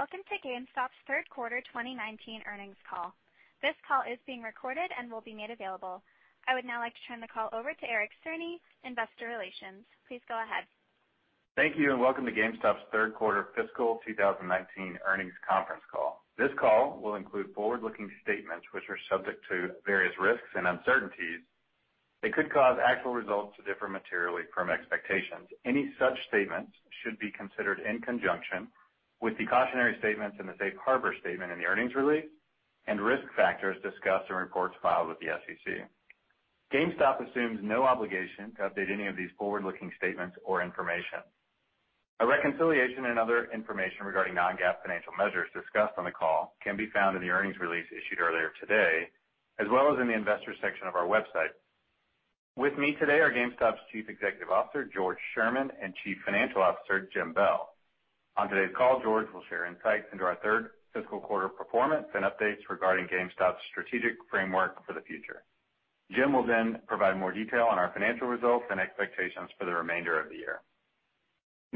Welcome to GameStop's third quarter 2019 earnings call. This call is being recorded and will be made available. I would now like to turn the call over to Eric Cerny, investor relations. Please go ahead. Thank you. Welcome to GameStop's third quarter fiscal 2019 earnings conference call. This call will include forward-looking statements, which are subject to various risks and uncertainties that could cause actual results to differ materially from expectations. Any such statements should be considered in conjunction with the cautionary statements and the safe harbor statement in the earnings release and risk factors discussed in reports filed with the SEC. GameStop assumes no obligation to update any of these forward-looking statements or information. A reconciliation and other information regarding non-GAAP financial measures discussed on the call can be found in the earnings release issued earlier today, as well as in the investors section of our website. With me today are GameStop's Chief Executive Officer, George Sherman, and Chief Financial Officer, Jim Bell. On today's call, George will share insights into our third fiscal quarter performance and updates regarding GameStop's strategic framework for the future. Jim will provide more detail on our financial results and expectations for the remainder of the year.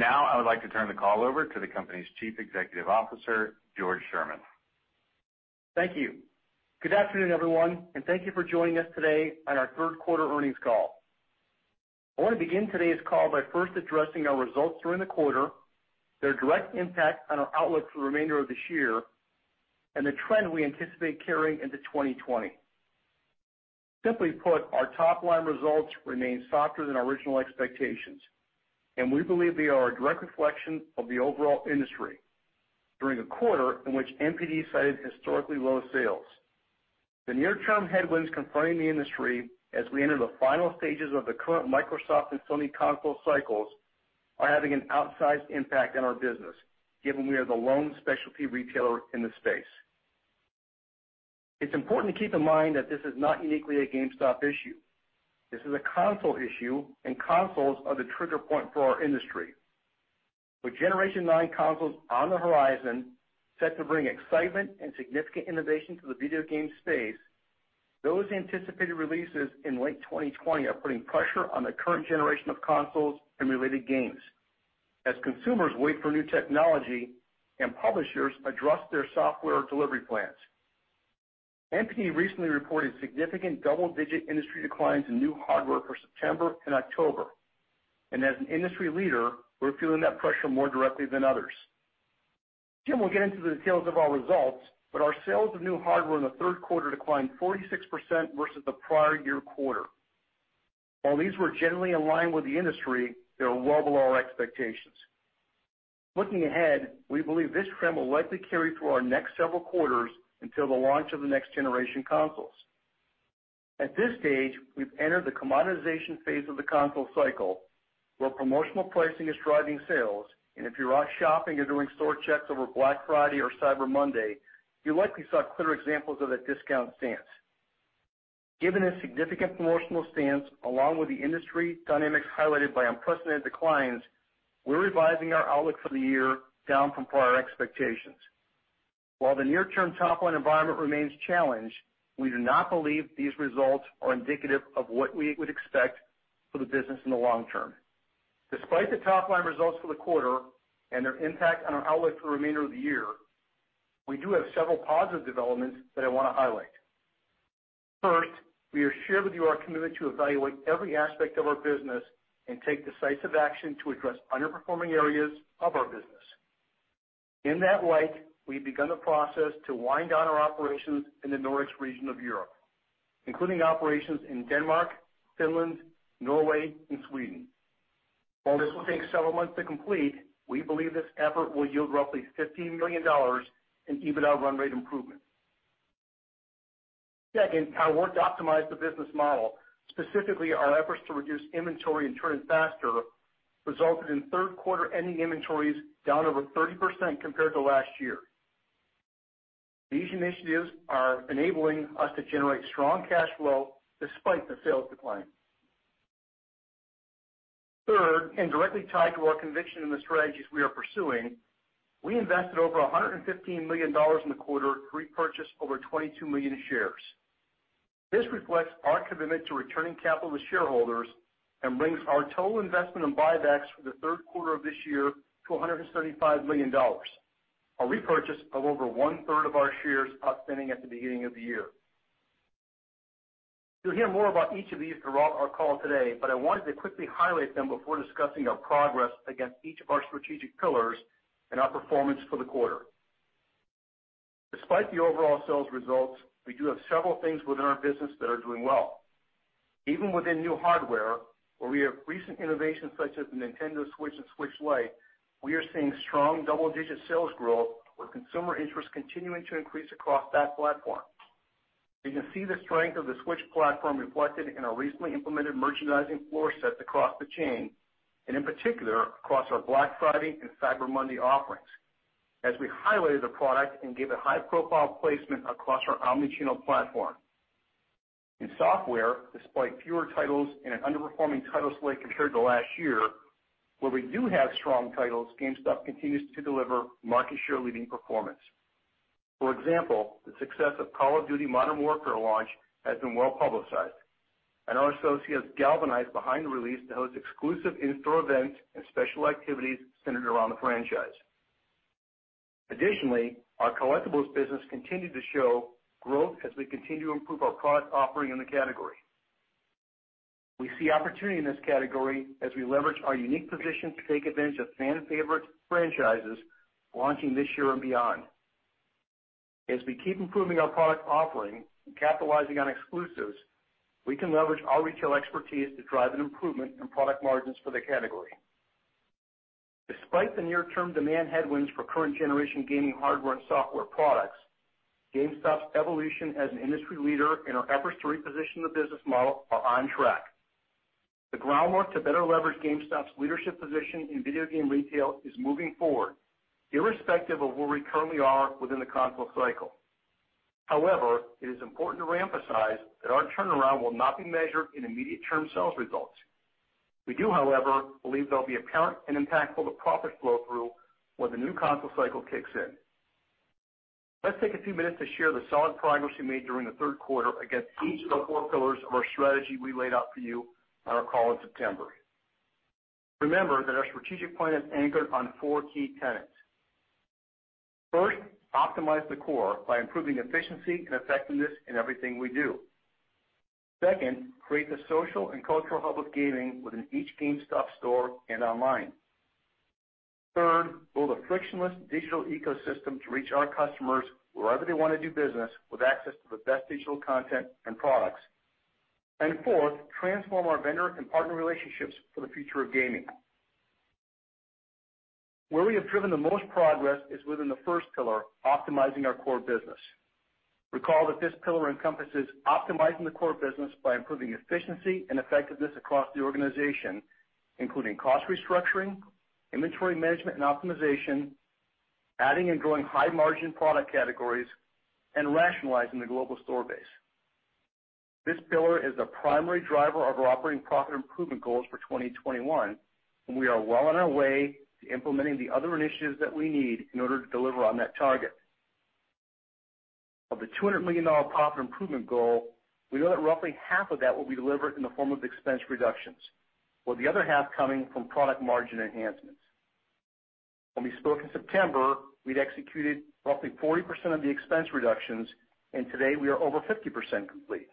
I would like to turn the call over to the company's Chief Executive Officer, George Sherman. Thank you. Good afternoon, everyone, and thank you for joining us today on our third quarter earnings call. I want to begin today's call by first addressing our results during the quarter, their direct impact on our outlook for the remainder of this year, and the trend we anticipate carrying into 2020. Simply put, our top-line results remain softer than our original expectations, and we believe they are a direct reflection of the overall industry during a quarter in which NPD cited historically low sales. The near-term headwinds confronting the industry as we enter the final stages of the current Microsoft and Sony console cycles are having an outsized impact on our business, given we are the lone specialty retailer in this space. It's important to keep in mind that this is not uniquely a GameStop issue. This is a console issue, and consoles are the trigger point for our industry. With Generation 9 consoles on the horizon set to bring excitement and significant innovation to the video game space, those anticipated releases in late 2020 are putting pressure on the current generation of consoles and related games as consumers wait for new technology and publishers address their software delivery plans. NPD recently reported significant double-digit industry declines in new hardware for September and October, and as an industry leader, we're feeling that pressure more directly than others. Jim will get into the details of our results, but our sales of new hardware in the third quarter declined 46% versus the prior year quarter. While these were generally aligned with the industry, they were well below our expectations. Looking ahead, we believe this trend will likely carry through our next several quarters until the launch of the next generation consoles. At this stage, we've entered the commoditization phase of the console cycle, where promotional pricing is driving sales, and if you're out shopping or doing store checks over Black Friday or Cyber Monday, you likely saw clear examples of that discount stance. Given this significant promotional stance, along with the industry dynamics highlighted by unprecedented declines, we're revising our outlook for the year down from prior expectations. While the near-term top-line environment remains challenged, we do not believe these results are indicative of what we would expect for the business in the long term. Despite the top-line results for the quarter and their impact on our outlook for the remainder of the year, we do have several positive developments that I want to highlight. First, we will share with you our commitment to evaluate every aspect of our business and take decisive action to address underperforming areas of our business. In that light, we've begun the process to wind down our operations in the Nordic region of Europe, including operations in Denmark, Finland, Norway, and Sweden. While this will take several months to complete, we believe this effort will yield roughly $15 million in EBITDA run rate improvement. Second, our work to optimize the business model, specifically our efforts to reduce inventory and turn faster, resulted in third-quarter ending inventories down over 30% compared to last year. These initiatives are enabling us to generate strong cash flow despite the sales decline. Third, directly tied to our conviction in the strategies we are pursuing, we invested over $115 million in the quarter to repurchase over 22 million shares. This reflects our commitment to returning capital to shareholders and brings our total investment in buybacks for the third quarter of this year to $135 million, a repurchase of over one-third of our shares outstanding at the beginning of the year. You'll hear more about each of these throughout our call today. I wanted to quickly highlight them before discussing our progress against each of our strategic pillars and our performance for the quarter. Despite the overall sales results, we do have several things within our business that are doing well. Even within new hardware, where we have recent innovations such as the Nintendo Switch and Nintendo Switch Lite, we are seeing strong double-digit sales growth, with consumer interest continuing to increase across that platform. You can see the strength of the Switch platform reflected in our recently implemented merchandising floor sets across the chain, and in particular, across our Black Friday and Cyber Monday offerings, as we highlighted the product and gave it high-profile placement across our omni-channel platform. In software, despite fewer titles and an underperforming title slate compared to last year, where we do have strong titles, GameStop continues to deliver market share leading performance. For example, the success of Call of Duty: Modern Warfare launch has been well-publicized, and our associates galvanized behind the release to host exclusive in-store events and special activities centered around the franchise. Additionally, our collectibles business continued to show growth as we continue to improve our product offering in the category. We see opportunity in this category as we leverage our unique position to take advantage of fan favorite franchises launching this year and beyond. As we keep improving our product offering and capitalizing on exclusives, we can leverage our retail expertise to drive an improvement in product margins for the category. Despite the near-term demand headwinds for current generation gaming hardware and software products, GameStop's evolution as an industry leader and our efforts to reposition the business model are on track. The groundwork to better leverage GameStop's leadership position in video game retail is moving forward irrespective of where we currently are within the console cycle. However, it is important to reemphasize that our turnaround will not be measured in immediate term sales results. We do, however, believe there'll be apparent and impactful profit flow-through when the new console cycle kicks in. Let's take a few minutes to share the solid progress we made during the third quarter against each of the four pillars of our strategy we laid out for you on our call in September. Remember that our strategic plan is anchored on four key tenets. First, optimize the core by improving efficiency and effectiveness in everything we do. Second, create the social and cultural hub of gaming within each GameStop store and online. Third, build a frictionless digital ecosystem to reach our customers wherever they want to do business with access to the best digital content and products. Fourth, transform our vendor and partner relationships for the future of gaming. Where we have driven the most progress is within the first pillar, optimizing our core business. Recall that this pillar encompasses optimizing the core business by improving efficiency and effectiveness across the organization, including cost restructuring, inventory management and optimization, adding and growing high-margin product categories, and rationalizing the global store base. This pillar is the primary driver of our operating profit improvement goals for 2021, and we are well on our way to implementing the other initiatives that we need in order to deliver on that target. Of the $200 million profit improvement goal, we know that roughly half of that will be delivered in the form of expense reductions, with the other half coming from product margin enhancements. When we spoke in September, we'd executed roughly 40% of the expense reductions, and today we are over 50% complete.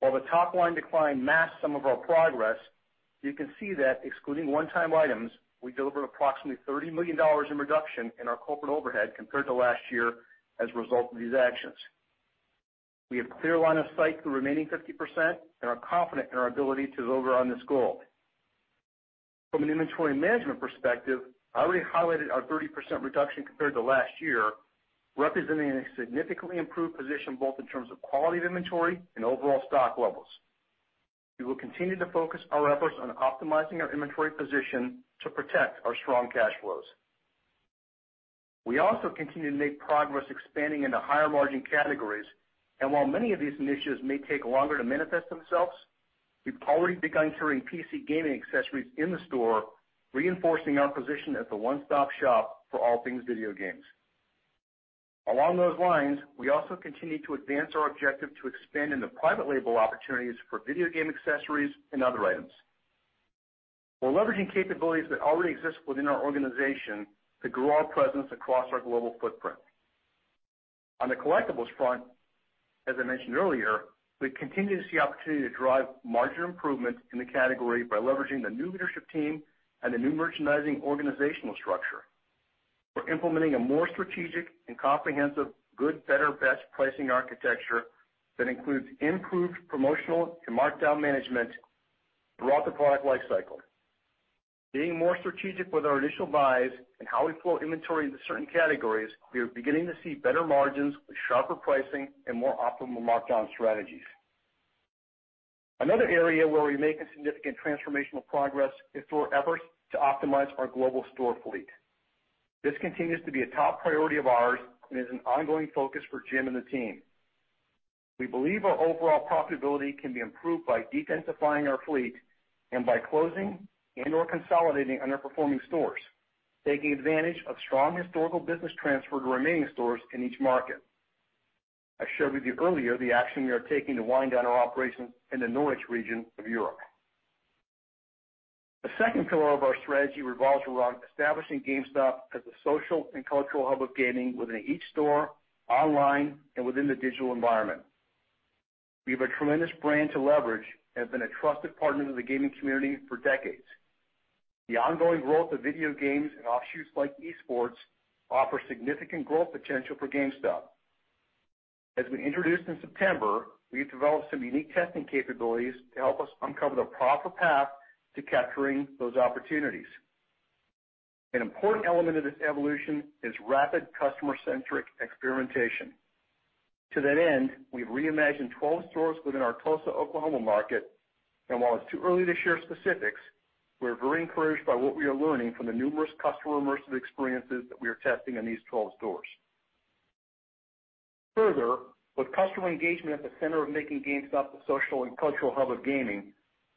While the top-line decline masks some of our progress, you can see that excluding one-time items, we delivered approximately $30 million in reduction in our corporate overhead compared to last year as a result of these actions. We have clear line of sight to the remaining 50% and are confident in our ability to deliver on this goal. From an inventory management perspective, I already highlighted our 30% reduction compared to last year, representing a significantly improved position both in terms of quality of inventory and overall stock levels. We will continue to focus our efforts on optimizing our inventory position to protect our strong cash flows. We also continue to make progress expanding into higher margin categories, and while many of these initiatives may take longer to manifest themselves, we've already begun carrying PC gaming accessories in the store, reinforcing our position as a one-stop shop for all things video games. Along those lines, we also continue to advance our objective to expand into private label opportunities for video game accessories and other items. We're leveraging capabilities that already exist within our organization to grow our presence across our global footprint. On the collectibles front, as I mentioned earlier, we continue to see opportunity to drive margin improvements in the category by leveraging the new leadership team and the new merchandising organizational structure. We're implementing a more strategic and comprehensive good, better, best pricing architecture that includes improved promotional and markdown management throughout the product lifecycle. Being more strategic with our initial buys and how we flow inventory into certain categories, we are beginning to see better margins with sharper pricing and more optimal markdown strategies. Another area where we're making significant transformational progress is through our efforts to optimize our global store fleet. This continues to be a top priority of ours and is an ongoing focus for Jim and the team. We believe our overall profitability can be improved by de-densifying our fleet and by closing and/or consolidating underperforming stores, taking advantage of strong historical business transfer to remaining stores in each market. I shared with you earlier the action we are taking to wind down our operations in the Nordic region of Europe. The second pillar of our strategy revolves around establishing GameStop as a social and cultural hub of gaming within each store, online, and within the digital environment. We have a tremendous brand to leverage and have been a trusted partner to the gaming community for decades. The ongoing growth of video games and offshoots like esports offer significant growth potential for GameStop. As we introduced in September, we have developed some unique testing capabilities to help us uncover the proper path to capturing those opportunities. An important element of this evolution is rapid customer-centric experimentation. To that end, we've reimagined 12 stores within our Tulsa, Oklahoma market. While it's too early to share specifics, we're very encouraged by what we are learning from the numerous customer immersive experiences that we are testing in these 12 stores. Further, with customer engagement at the center of making GameStop the social and cultural hub of gaming,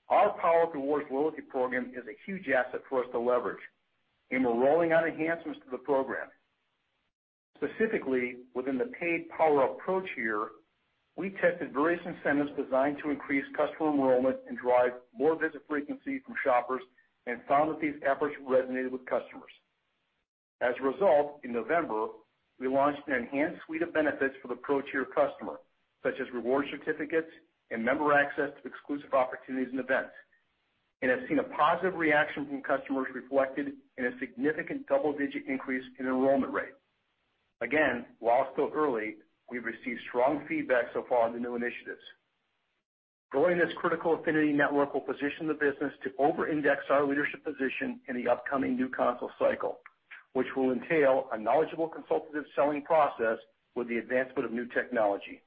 our PowerUp Rewards loyalty program is a huge asset for us to leverage, and we're rolling out enhancements to the program. Specifically, within the paid PowerUp Rewards Pro tier, we tested various incentives designed to increase customer enrollment and drive more visit frequency from shoppers and found that these efforts resonated with customers. In November, we launched an enhanced suite of benefits for the Pro tier customer, such as reward certificates and member access to exclusive opportunities and events, and have seen a positive reaction from customers reflected in a significant double-digit increase in enrollment rate. While still early, we've received strong feedback so far on the new initiatives. Growing this critical affinity network will position the business to over-index our leadership position in the upcoming new console cycle, which will entail a knowledgeable consultative selling process with the advancement of new technology.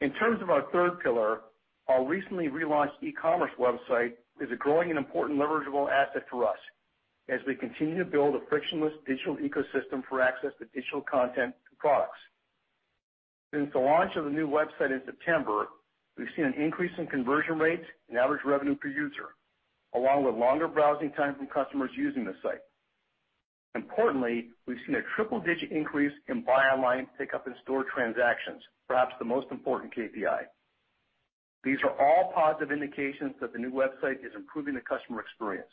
In terms of our third pillar, our recently relaunched e-commerce website is a growing and important leverageable asset for us as we continue to build a frictionless digital ecosystem for access to digital content and products. Since the launch of the new website in September, we've seen an increase in conversion rates and average revenue per user, along with longer browsing time from customers using the site. Importantly, we've seen a triple-digit increase in buy online pickup in store transactions, perhaps the most important KPI. These are all positive indications that the new website is improving the customer experience.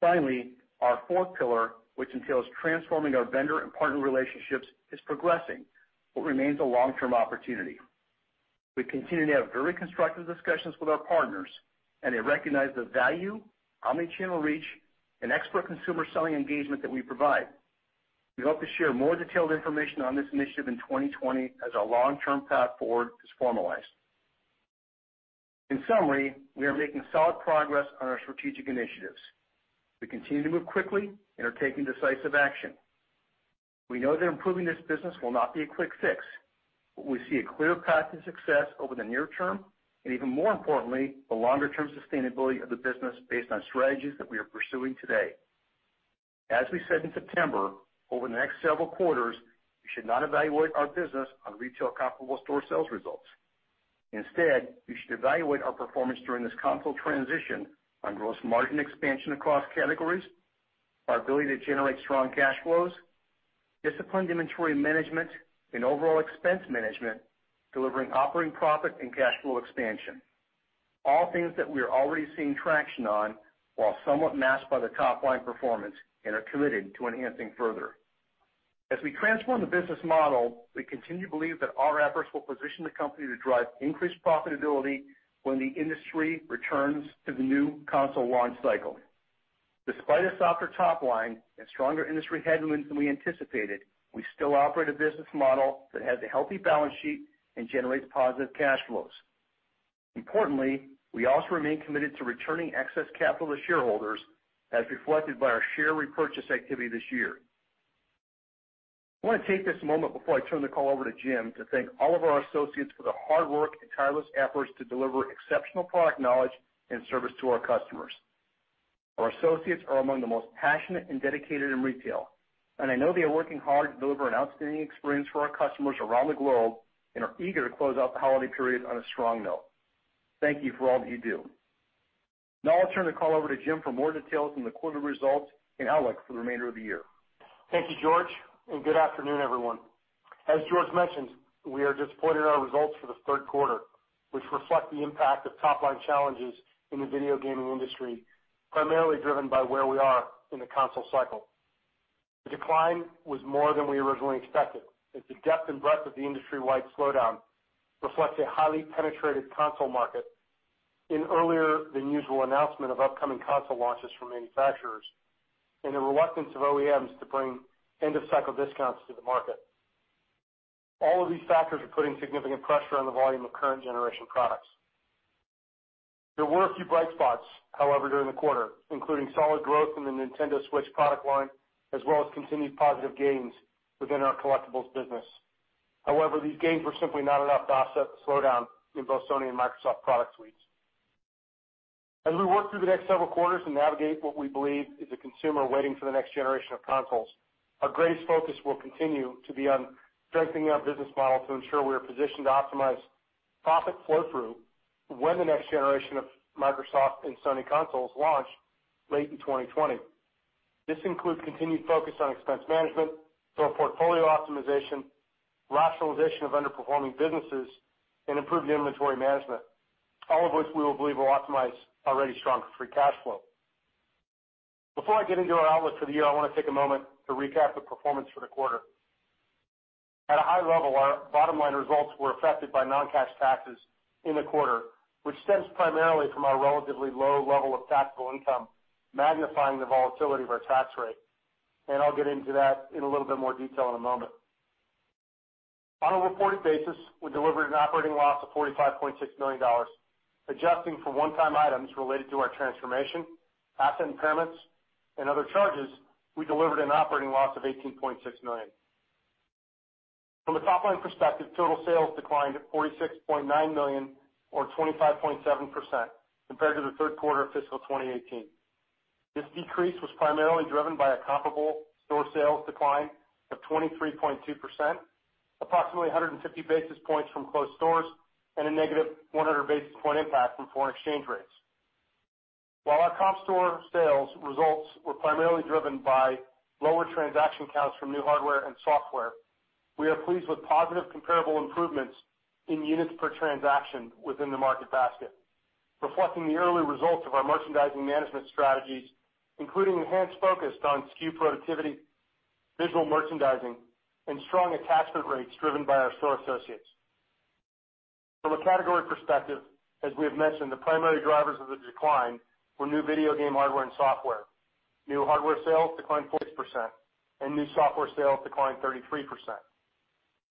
Finally, our fourth pillar, which entails transforming our vendor and partner relationships, is progressing what remains a long-term opportunity. We continue to have very constructive discussions with our partners, and they recognize the value, omni-channel reach, and expert consumer selling engagement that we provide. We hope to share more detailed information on this initiative in 2020 as our long-term path forward is formalized. In summary, we are making solid progress on our strategic initiatives. We continue to move quickly and are taking decisive action. We know that improving this business will not be a quick fix, but we see a clear path to success over the near term, and even more importantly, the longer-term sustainability of the business based on strategies that we are pursuing today. As we said in September, over the next several quarters, you should not evaluate our business on retail comparable store sales results. Instead, you should evaluate our performance during this console transition on gross margin expansion across categories, our ability to generate strong cash flows, disciplined inventory management, and overall expense management, delivering operating profit and cash flow expansion. All things that we are already seeing traction on, while somewhat masked by the top-line performance and are committed to enhancing further. As we transform the business model, we continue to believe that our efforts will position the company to drive increased profitability when the industry returns to the new console launch cycle. Despite a softer top line and stronger industry headwinds than we anticipated, we still operate a business model that has a healthy balance sheet and generates positive cash flows. Importantly, we also remain committed to returning excess capital to shareholders, as reflected by our share repurchase activity this year. I want to take this moment before I turn the call over to Jim to thank all of our associates for their hard work and tireless efforts to deliver exceptional product knowledge and service to our customers. Our associates are among the most passionate and dedicated in retail, and I know they are working hard to deliver an outstanding experience for our customers around the globe and are eager to close out the holiday period on a strong note. Thank you for all that you do. Now I'll turn the call over to Jim for more details on the quarter results and outlook for the remainder of the year. Thank you, George. Good afternoon, everyone. As George mentioned, we are disappointed in our results for the third quarter, which reflect the impact of top-line challenges in the video gaming industry, primarily driven by where we are in the console cycle. The decline was more than we originally expected, as the depth and breadth of the industry-wide slowdown reflects a highly penetrated console market, an earlier-than-usual announcement of upcoming console launches from manufacturers, and a reluctance of OEMs to bring end-of-cycle discounts to the market. All of these factors are putting significant pressure on the volume of current generation products. There were a few bright spots, however, during the quarter, including solid growth in the Nintendo Switch product line, as well as continued positive gains within our collectibles business. These gains were simply not enough to offset the slowdown in both Sony and Microsoft product suites. As we work through the next several quarters and navigate what we believe is a consumer waiting for the next generation of consoles, our greatest focus will continue to be on strengthening our business model to ensure we are positioned to optimize profit flow-through when the next generation of Microsoft and Sony consoles launch late in 2020. This includes continued focus on expense management, store portfolio optimization, rationalization of underperforming businesses, and improved inventory management, all of which we believe will optimize already strong free cash flow. Before I get into our outlook for the year, I want to take a moment to recap the performance for the quarter. At a high level, our bottom-line results were affected by non-cash taxes in the quarter, which stems primarily from our relatively low level of taxable income, magnifying the volatility of our tax rate. I'll get into that in a little bit more detail in a moment. On a reported basis, we delivered an operating loss of $45.6 million. Adjusting for one-time items related to our transformation, asset impairments, and other charges, we delivered an operating loss of $18.6 million. From a top-line perspective, total sales declined to $46.9 million or 25.7% compared to the third quarter of fiscal 2018. This decrease was primarily driven by a comparable store sales decline of 23.2%, approximately 150 basis points from closed stores, and a negative 100 basis point impact from foreign exchange rates. While our comp store sales results were primarily driven by lower transaction counts from new hardware and software, we are pleased with positive comparable improvements in units per transaction within the market basket, reflecting the early results of our merchandising management strategies, including enhanced focus on SKU productivity, visual merchandising and strong attachment rates driven by our store associates. From a category perspective, as we have mentioned, the primary drivers of the decline were new video game hardware and software. New hardware sales declined 40% and new software sales declined 33%.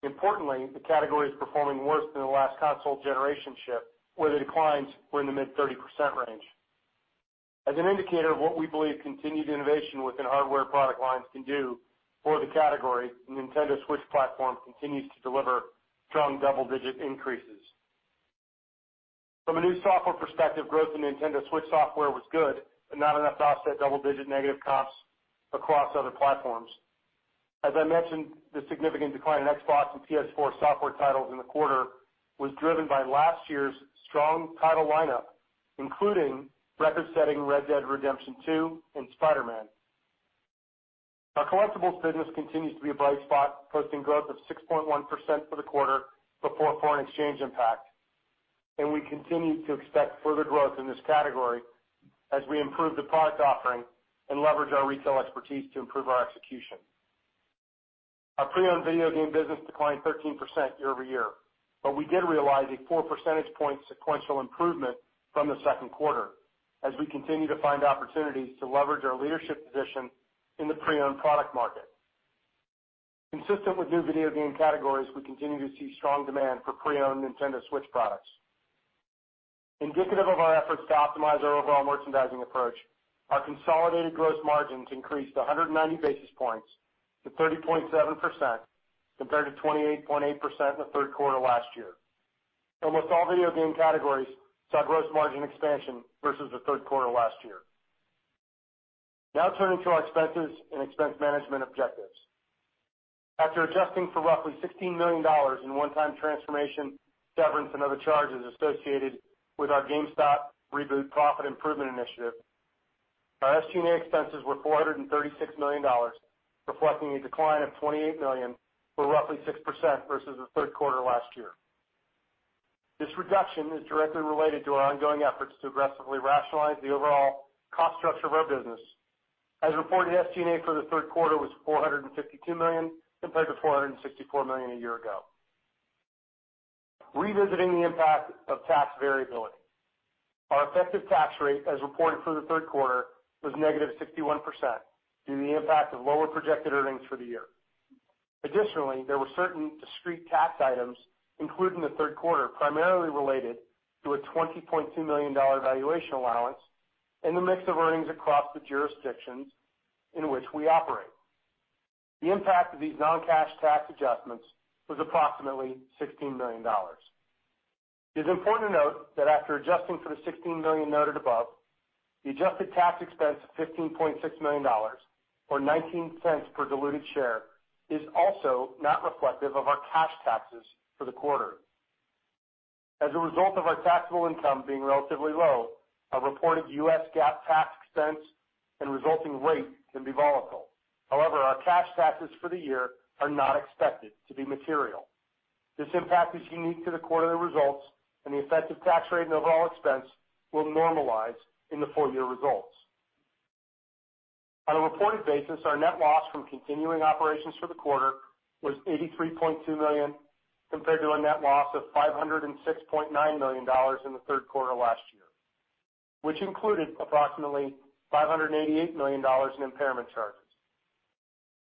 Importantly, the category is performing worse than the last console generation ship, where the declines were in the mid-30% range. As an indicator of what we believe continued innovation within hardware product lines can do for the category, the Nintendo Switch platform continues to deliver strong double-digit increases. From a new software perspective, growth in Nintendo Switch software was good, but not enough to offset double-digit negative comps across other platforms. As I mentioned, the significant decline in Xbox and PS4 software titles in the quarter was driven by last year's strong title lineup, including record-setting Red Dead Redemption 2 and Spider-Man. Our Collectibles business continues to be a bright spot, posting growth of 6.1% for the quarter before foreign exchange impact, and we continue to expect further growth in this category as we improve the product offering and leverage our retail expertise to improve our execution. Our pre-owned video game business declined 13% year-over-year, but we did realize a four percentage point sequential improvement from the second quarter as we continue to find opportunities to leverage our leadership position in the pre-owned product market. Consistent with new video game categories, we continue to see strong demand for pre-owned Nintendo Switch products. Indicative of our efforts to optimize our overall merchandising approach, our consolidated gross margins increased 190 basis points to 30.7% compared to 28.8% in the third quarter last year. Almost all video game categories saw gross margin expansion versus the third quarter last year. Turning to our expenses and expense management objectives. After adjusting for roughly $16 million in one-time transformation, severance and other charges associated with our GameStop Reboot profit improvement initiative, our SG&A expenses were $436 million, reflecting a decline of $28 million or roughly 6% versus the third quarter last year. This reduction is directly related to our ongoing efforts to aggressively rationalize the overall cost structure of our business. As reported, SG&A for the third quarter was $452 million compared to $464 million a year ago. Revisiting the impact of tax variability. Our effective tax rate, as reported for the third quarter, was -61% due to the impact of lower projected earnings for the year. Additionally, there were certain discrete tax items included in the third quarter, primarily related to a $20.2 million valuation allowance and the mix of earnings across the jurisdictions in which we operate. The impact of these non-cash tax adjustments was approximately $16 million. It is important to note that after adjusting for the $16 million noted above, the adjusted tax expense of $15.6 million, or $0.19 per diluted share, is also not reflective of our cash taxes for the quarter. As a result of our taxable income being relatively low, our reported US GAAP tax expense and resulting rate can be volatile. However, our cash taxes for the year are not expected to be material. This impact is unique to the quarterly results. The effective tax rate and overall expense will normalize in the full-year results. On a reported basis, our net loss from continuing operations for the quarter was $83.2 million compared to a net loss of $506.9 million in the third quarter last year, which included approximately $588 million in impairment charges.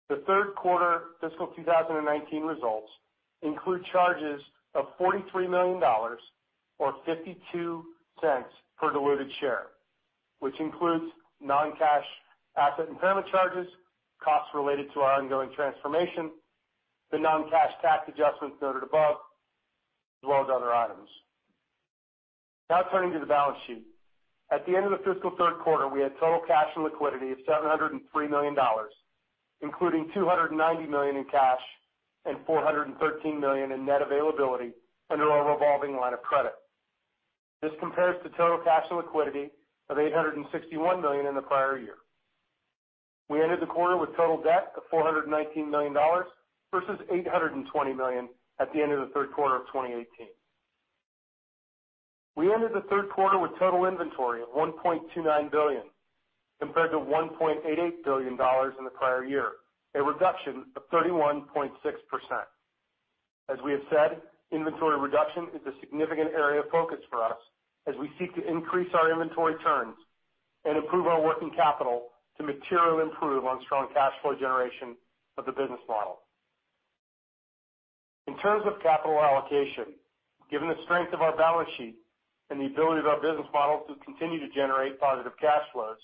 The third quarter fiscal 2019 results include charges of $43 million or $0.52 per diluted share, which includes non-cash asset impairment charges, costs related to our ongoing transformation, the non-cash tax adjustments noted above, as well as other items. Turning to the balance sheet. At the end of the fiscal third quarter, we had total cash and liquidity of $703 million, including $290 million in cash and $413 million in net availability under our revolving line of credit. This compares to total cash and liquidity of $861 million in the prior year. We ended the quarter with total debt of $419 million versus $820 million at the end of the third quarter of 2018. We ended the third quarter with total inventory of $1.29 billion compared to $1.88 billion in the prior year, a reduction of 31.6%. As we have said, inventory reduction is a significant area of focus for us as we seek to increase our inventory turns and improve our working capital to materially improve on strong cash flow generation of the business model. In terms of capital allocation, given the strength of our balance sheet and the ability of our business model to continue to generate positive cash flows,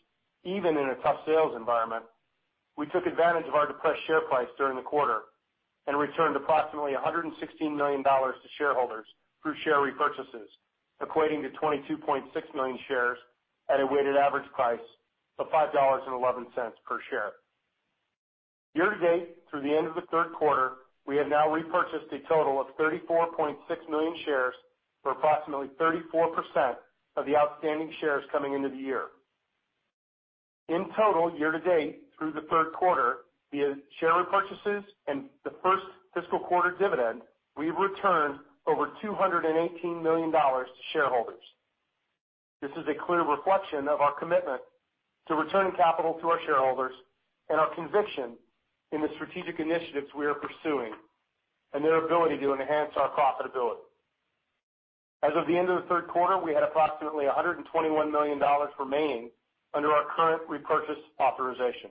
even in a tough sales environment, we took advantage of our depressed share price during the quarter and returned approximately $116 million to shareholders through share repurchases, equating to 22.6 million shares at a weighted average price of $5.11 per share. Year to date, through the end of the third quarter, we have now repurchased a total of 34.6 million shares for approximately 34% of the outstanding shares coming into the year. In total, year to date through the third quarter, via share repurchases and the first fiscal quarter dividend, we've returned over $218 million to shareholders. This is a clear reflection of our commitment to returning capital to our shareholders and our conviction in the strategic initiatives we are pursuing and their ability to enhance our profitability. As of the end of the third quarter, we had approximately $121 million remaining under our current repurchase authorization.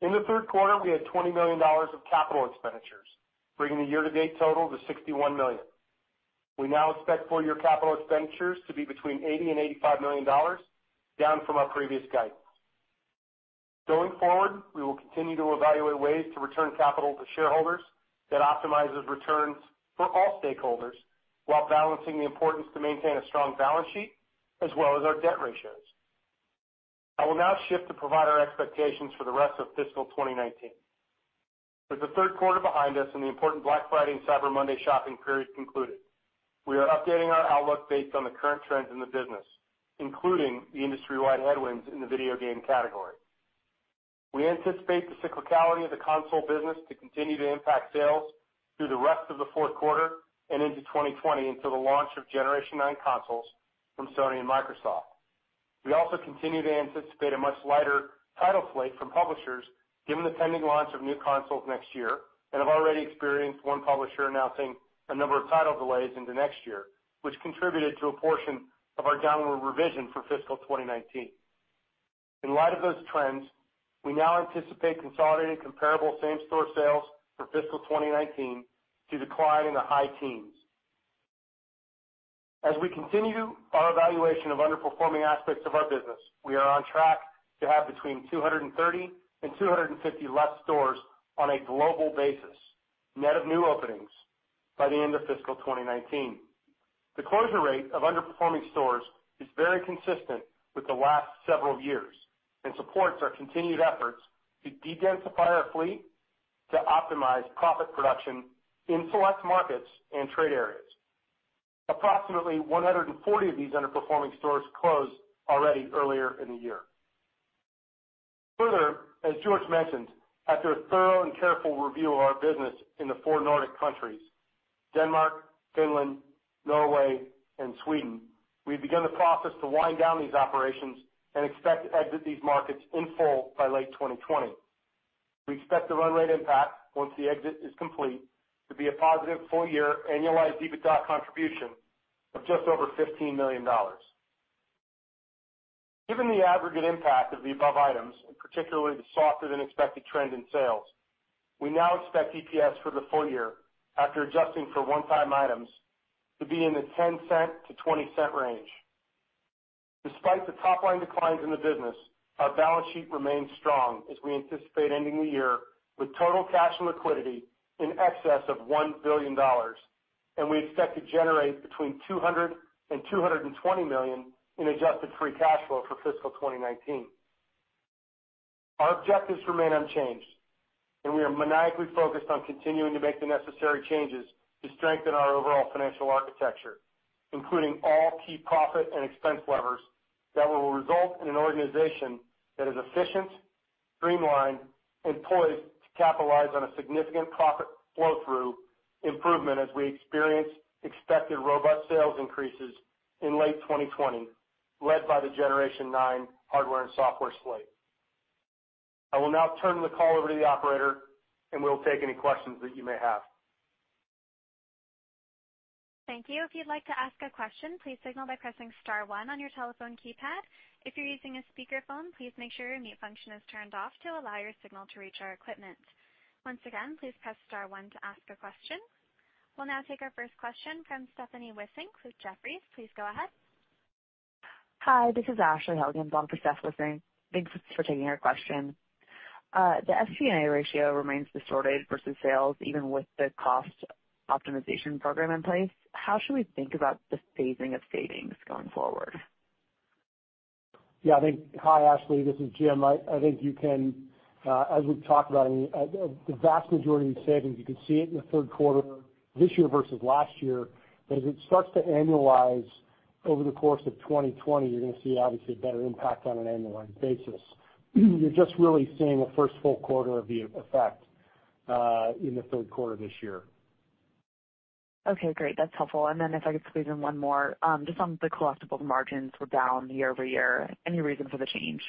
In the third quarter, we had $20 million of capital expenditures, bringing the year-to-date total to $61 million. We now expect full-year capital expenditures to be between $80 and $85 million, down from our previous guidance. Going forward, we will continue to evaluate ways to return capital to shareholders that optimizes returns for all stakeholders while balancing the importance to maintain a strong balance sheet as well as our debt ratios. I will now shift to provide our expectations for the rest of fiscal 2019. With the third quarter behind us and the important Black Friday and Cyber Monday shopping period concluded, we are updating our outlook based on the current trends in the business, including the industry-wide headwinds in the video game category. We anticipate the cyclicality of the console business to continue to impact sales through the rest of the fourth quarter and into 2020 until the launch of Generation 9 consoles from Sony and Microsoft. We also continue to anticipate a much lighter title slate from publishers given the pending launch of new consoles next year and have already experienced one publisher announcing a number of title delays into next year, which contributed to a portion of our downward revision for fiscal 2019. In light of those trends, we now anticipate consolidated comparable same-store sales for fiscal 2019 to decline in the high teens. As we continue our evaluation of underperforming aspects of our business, we are on track to have between 230 and 250 less stores on a global basis, net of new openings, by the end of fiscal 2019. The closure rate of underperforming stores is very consistent with the last several years and supports our continued efforts to de-densify our fleet to optimize profit production in select markets and trade areas. Approximately 140 of these underperforming stores closed already earlier in the year. Further, as George mentioned, after a thorough and careful review of our business in the 4 Nordic countries, Denmark, Finland, Norway and Sweden, we've begun the process to wind down these operations and expect to exit these markets in full by late 2020. We expect the run rate impact, once the exit is complete, to be a positive full-year annualized EBITDA contribution of just over $15 million. Given the aggregate impact of the above items, and particularly the softer than expected trend in sales, we now expect EPS for the full year, after adjusting for one-time items, to be in the $0.10 to $0.20 range. Despite the top-line declines in the business, our balance sheet remains strong as we anticipate ending the year with total cash and liquidity in excess of $1 billion, and we expect to generate between $200 million and $220 million in adjusted free cash flow for fiscal 2019. Our objectives remain unchanged. We are maniacally focused on continuing to make the necessary changes to strengthen our overall financial architecture, including all key profit and expense levers that will result in an organization that is efficient, streamlined, and poised to capitalize on a significant profit flow-through improvement as we experience expected robust sales increases in late 2020, led by the Generation 9 hardware and software slate. I will now turn the call over to the operator and we'll take any questions that you may have. Thank you. If you'd like to ask a question, please signal by pressing star one on your telephone keypad. If you're using a speakerphone, please make sure your mute function is turned off to allow your signal to reach our equipment. Once again, please press star one to ask a question. We'll now take our first question from Stephanie Wissink with Jefferies. Please go ahead. Hi, this is Ashley Helgans, along for Steph Wissink. Thanks for taking our question. The SG&A ratio remains distorted versus sales, even with the cost optimization program in place. How should we think about the phasing of savings going forward? Yeah. Hi, Ashley. This is Jim. I think you can, as we've talked about, the vast majority of these savings, you could see it in the third quarter this year versus last year. As it starts to annualize over the course of 2020, you're going to see obviously a better impact on an annual run basis. You're just really seeing the first full quarter of the effect in the third quarter this year. Okay, great. That's helpful. If I could squeeze in one more, just on the collectible margins were down year-over-year. Any reason for the change?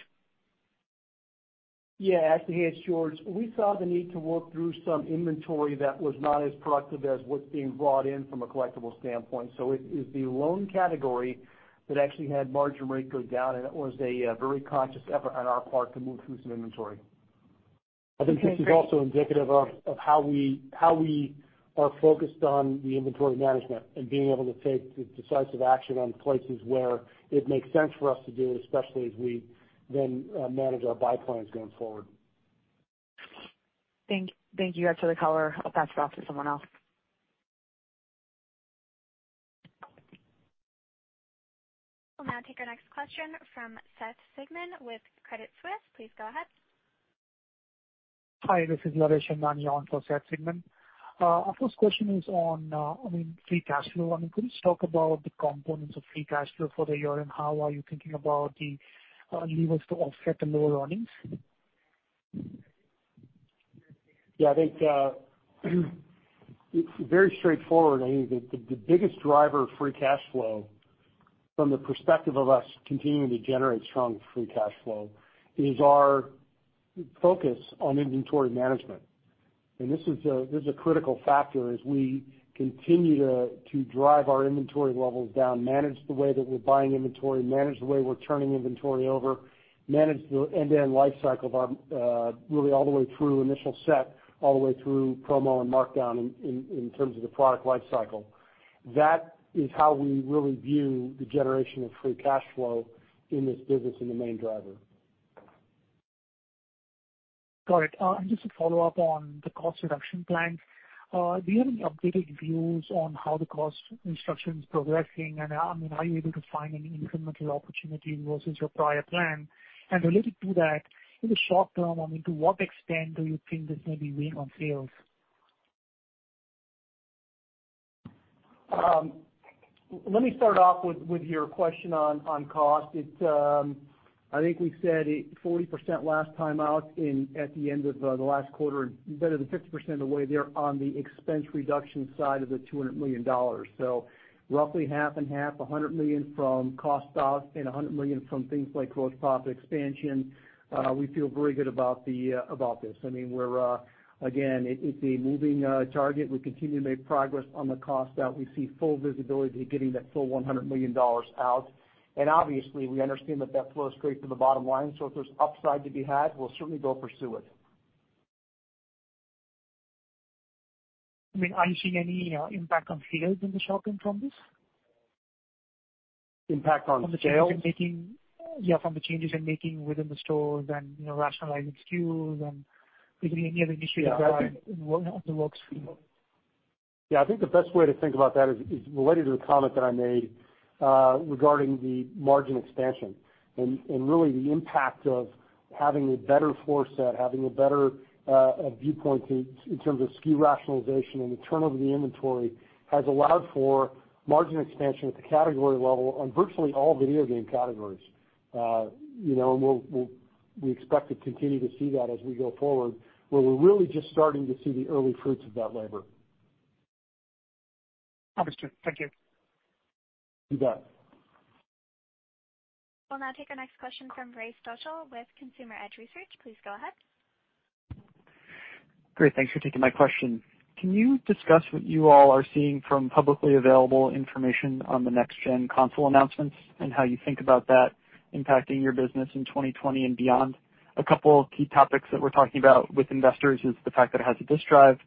Yeah, Ashley. Hey, it's George. We saw the need to work through some inventory that was not as productive as what's being brought in from a collectible standpoint. It is the loan category that actually had margin rate go down, and it was a very conscious effort on our part to move through some inventory. I think this is also indicative of how we are focused on the inventory management and being able to take decisive action on places where it makes sense for us to do, especially as we then manage our buy plans going forward. Thank you, guys, for the color. I'll pass it off to someone else. We'll now take our next question from Seth Sigman with Credit Suisse. Please go ahead. Hi, this is Naresh Undani on for Seth Sigman. Our first question is on free cash flow. Could you just talk about the components of free cash flow for the year, and how are you thinking about the levers to offset the lower earnings? Yeah. I think it's very straightforward. I think that the biggest driver of free cash flow from the perspective of us continuing to generate strong free cash flow is our focus on inventory management. This is a critical factor as we continue to drive our inventory levels down, manage the way that we're buying inventory, manage the way we're turning inventory over, manage the end-to-end life cycle, really all the way through initial set, all the way through promo and markdown in terms of the product life cycle. That is how we really view the generation of free cash flow in this business and the main driver. Got it. Just to follow up on the cost reduction plan, do you have any updated views on how the cost reduction is progressing, and are you able to find any incremental opportunity versus your prior plan? Related to that, in the short term, I mean, to what extent do you think this may be weighing on sales? Let me start off with your question on cost. I think we said 40% last time out at the end of the last quarter, better than 50% of the way there on the expense reduction side of the $200 million. Roughly half and half, $100 million from cost out and $100 million from things like gross profit expansion. We feel very good about this. Again, it's a moving target. We continue to make progress on the cost-out. We see full visibility to getting that full $100 million out. Obviously, we understand that that flows straight to the bottom line. If there's upside to be had, we'll certainly go pursue it. Are you seeing any impact on sales in the short term from this? Impact on sales? From the changes you're making within the stores and rationalizing SKUs and is there any other initiative that works for you? Yeah, I think the best way to think about that is related to the comment that I made regarding the margin expansion and really the impact of having a better floor set, having a better viewpoint in terms of SKU rationalization and the turnover of the inventory has allowed for margin expansion at the category level on virtually all video game categories. We expect to continue to see that as we go forward, where we're really just starting to see the early fruits of that labor. Understood. Thank you. You bet. We'll now take our next question from Ray Stochel with Consumer Edge Research. Please go ahead. Great. Thanks for taking my question. Can you discuss what you all are seeing from publicly available information on the next-gen console announcements and how you think about that impacting your business in 2020 and beyond? A couple of key topics that we're talking about with investors is the fact that it has a disc drive,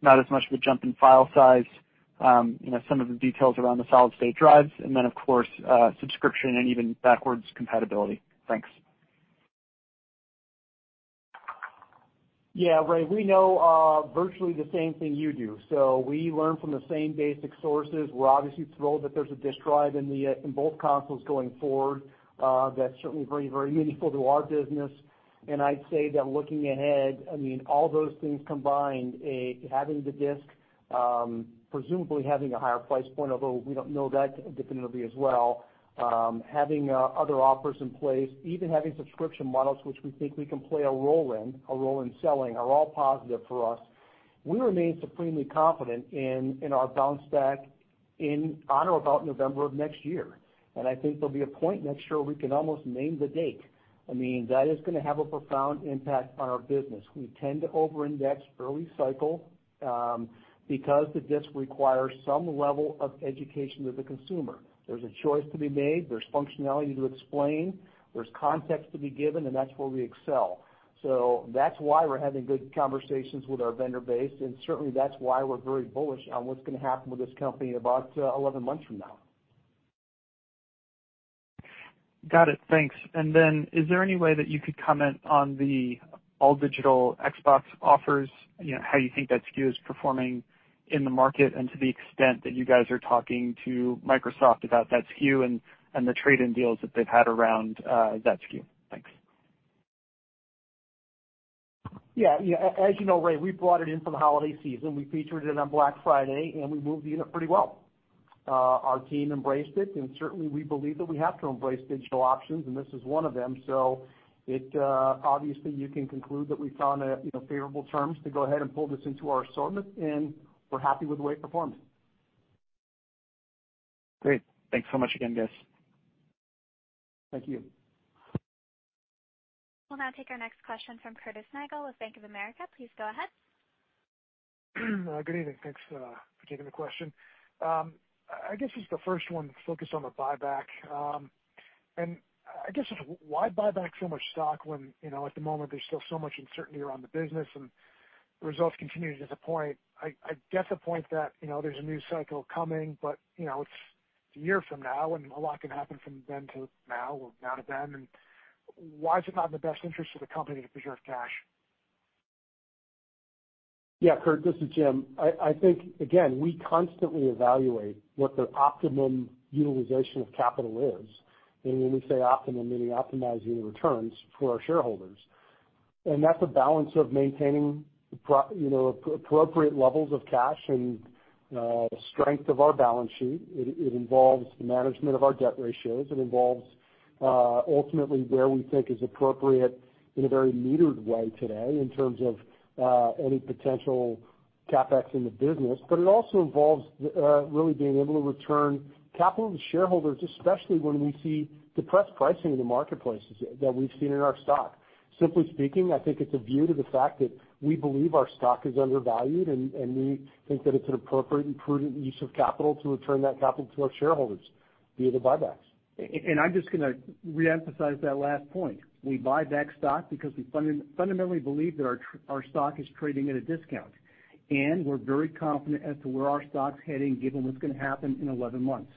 not as much of a jump in file size, some of the details around the solid-state drives, and then of course, subscription and even backwards compatibility. Thanks. Ray, we know virtually the same thing you do. We learn from the same basic sources. We're obviously thrilled that there's a disk drive in both consoles going forward. That's certainly very, very meaningful to our business. I'd say that looking ahead, all those things combined, having the disk, presumably having a higher price point, although we don't know that definitively as well, having other offers in place, even having subscription models which we think we can play a role in selling, are all positive for us. We remain supremely confident in our bounce back in on or about November of next year. I think there'll be a point next year where we can almost name the date. That is going to have a profound impact on our business. We tend to over-index early cycle because the disk requires some level of education of the consumer. There's a choice to be made, there's functionality to explain, there's context to be given, and that's where we excel. That's why we're having good conversations with our vendor base, and certainly, that's why we're very bullish on what's going to happen with this company about 11 months from now. Got it. Thanks. Is there any way that you could comment on the all digital Xbox offers, how you think that SKU is performing in the market and to the extent that you guys are talking to Microsoft about that SKU and the trade-in deals that they've had around that SKU. Thanks. Yeah. As you know, Ray, we brought it in for the holiday season. We featured it on Black Friday, and we moved the unit pretty well. Our team embraced it and certainly, we believe that we have to embrace digital options, and this is one of them. Obviously you can conclude that we found favorable terms to go ahead and pull this into our assortment, and we're happy with the way it performed. Great. Thanks so much again, guys. Thank you. We'll now take our next question from Curtis Nagle with Bank of America. Please go ahead. Good evening. Thanks for taking the question. I guess just the first one focused on the buyback. I guess just why buy back so much stock when at the moment there's still so much uncertainty around the business and results continue to disappoint? I get the point that there's a new cycle coming, but it's a year from now and a lot can happen from then to now or now to then. Why is it not in the best interest of the company to preserve cash? Yeah, Curtis, this is Jim. I think, again, we constantly evaluate what the optimum utilization of capital is. When we say optimum, meaning optimizing the returns for our shareholders. That's a balance of maintaining appropriate levels of cash and strength of our balance sheet. It involves the management of our debt ratios. It involves, ultimately, where we think is appropriate in a very metered way today in terms of any potential CapEx in the business. It also involves really being able to return capital to shareholders, especially when we see depressed pricing in the marketplace that we've seen in our stock. Simply speaking, I think it's a view to the fact that we believe our stock is undervalued, and we think that it's an appropriate and prudent use of capital to return that capital to our shareholders via the buybacks. I'm just going to reemphasize that last point. We buy back stock because we fundamentally believe that our stock is trading at a discount, and we're very confident as to where our stock's heading, given what's going to happen in 11 months.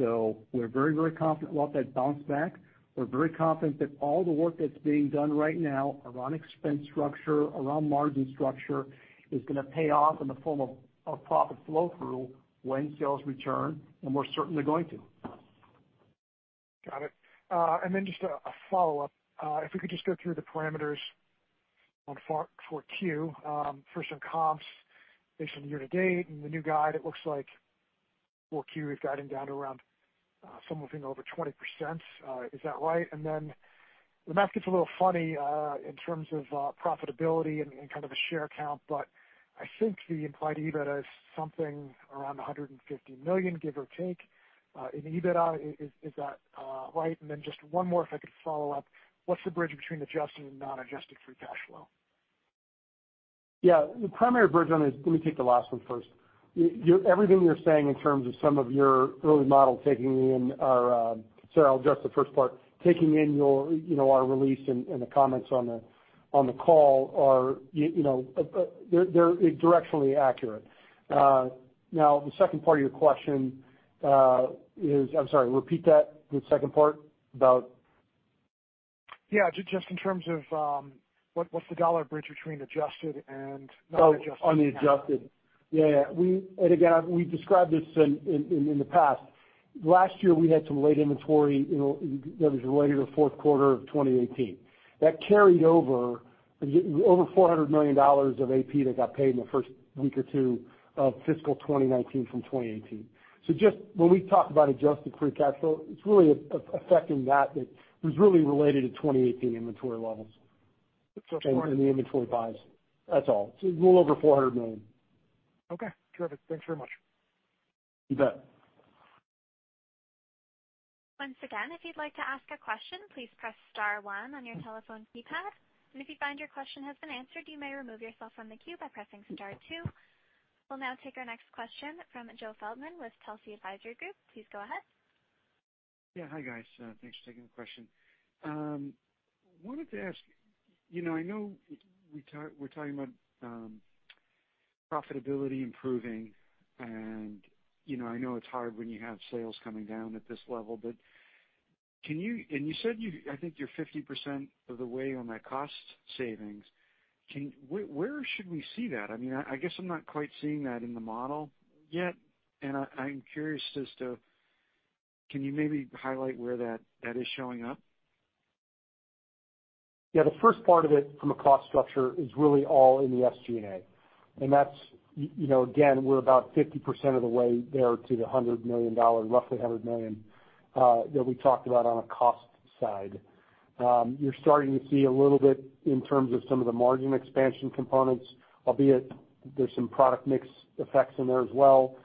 We're very confident we'll have that bounce back. We're very confident that all the work that's being done right now around expense structure, around margin structure, is going to pay off in the form of profit flow through when sales return, and we're certainly going to. Got it. Just a follow-up. If we could just go through the parameters on 4Q. First on comps based on year-to-date and the new guide, it looks like 4Q is guiding down around something over 20%. Is that right? The math gets a little funny in terms of profitability and kind of a share count, but I think the implied EBITDA is something around $150 million, give or take in EBITDA. Is that right? Just one more if I could follow up. What's the bridge between adjusted and non-adjusted free cash flow? Yeah. Let me take the last one first. I'll address the first part, taking in our release and the comments on the call are directionally accurate. Now, the second part of your question is. I'm sorry, repeat that. Just in terms of what's the dollar bridge between adjusted and non-adjusted? On the adjusted. Again, we've described this in the past. Last year, we had some late inventory that was related to the fourth quarter of 2018. That carried over $400 million of AP that got paid in the first week or two of fiscal 2019 from 2018. Just when we talk about adjusted free cash flow, it's really affecting that was really related to 2018 inventory levels and the inventory buys. That's all. A little over $400 million. Okay, terrific. Thanks very much. You bet. Once again, if you'd like to ask a question, please press *1 on your telephone keypad. If you find your question has been answered, you may remove yourself from the queue by pressing *2. We'll now take our next question from Joe Feldman with Telsey Advisory Group. Please go ahead. Yeah. Hi, guys. Thanks for taking the question. Wanted to ask, I know we're talking about profitability improving, and I know it's hard when you have sales coming down at this level, but and you said, I think you're 50% of the way on that cost savings. Where should we see that? I guess I'm not quite seeing that in the model yet, and I'm curious as to, can you maybe highlight where that is showing up? Yeah. The first part of it from a cost structure is really all in the SG&A. That's, again, we're about 50% of the way there to the roughly $100 million that we talked about on a cost side. You're starting to see a little bit in terms of some of the margin expansion components, albeit there's some product mix effects in there as well.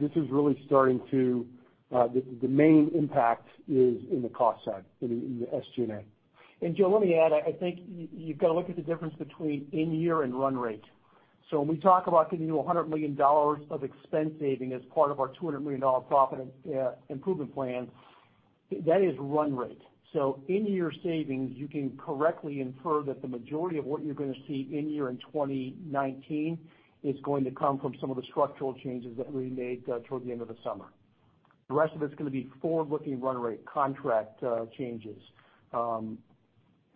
This is really starting to, the main impact is in the cost side, in the SG&A. Joe, let me add, I think you've got to look at the difference between in-year and run rate. When we talk about giving you $100 million of expense saving as part of our $200 million profit improvement plan, that is run rate. In-year savings, you can correctly infer that the majority of what you're going to see in-year in 2019 is going to come from some of the structural changes that we made toward the end of the summer. The rest of it's going to be forward-looking run rate contract changes.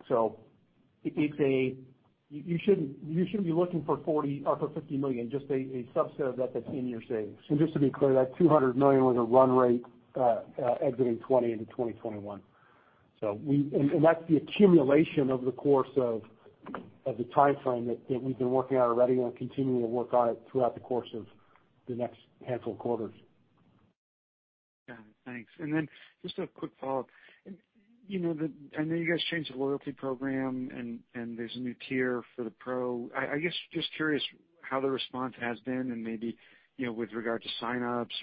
You shouldn't be looking for 40 or for $50 million, just a subset of that's in-year savings. Just to be clear, that $200 million was a run rate exiting 2020 into 2021. That's the accumulation over the course of the timeframe that we've been working on already and continuing to work on it throughout the course of the next handful of quarters. Got it. Thanks. Just a quick follow-up. I know you guys changed the loyalty program, and there's a new tier for the Pro. I guess just curious how the response has been and maybe with regard to sign-ups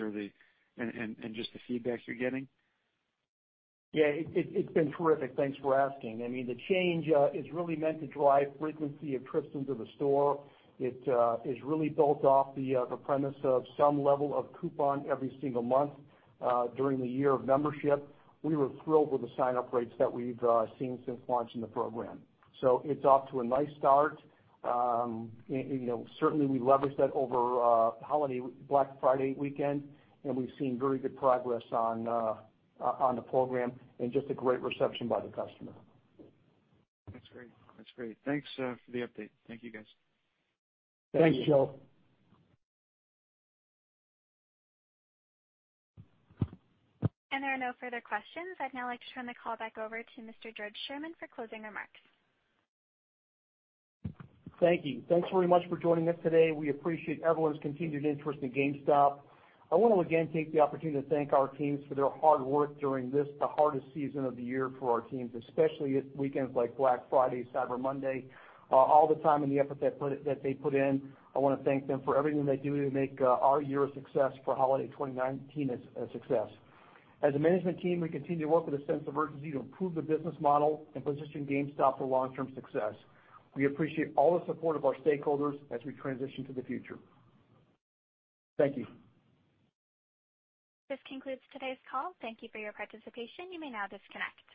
and just the feedback you're getting. Yeah. It's been terrific. Thanks for asking. The change is really meant to drive frequency of trips into the store. It is really built off the premise of some level of coupon every single month during the year of membership. We were thrilled with the sign-up rates that we've seen since launching the program. It's off to a nice start. Certainly, we leveraged that over holiday, Black Friday weekend, and we've seen very good progress on the program and just a great reception by the customer. That's great. Thanks for the update. Thank you, guys. Thanks, Joe. There are no further questions. I'd now like to turn the call back over to Mr. George Sherman for closing remarks. Thank you. Thanks very much for joining us today. We appreciate everyone's continued interest in GameStop. I want to again take the opportunity to thank our teams for their hard work during this, the hardest season of the year for our teams, especially weekends like Black Friday, Cyber Monday, all the time and the effort that they put in. I want to thank them for everything they do to make our year a success for holiday 2019 a success. As a management team, we continue to work with a sense of urgency to improve the business model and position GameStop for long-term success. We appreciate all the support of our stakeholders as we transition to the future. Thank you. This concludes today's call. Thank you for your participation. You may now disconnect.